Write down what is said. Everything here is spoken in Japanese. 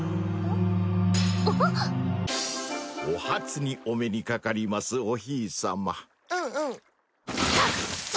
お初にお目にかかりますおひいさまうんうんさ魚！？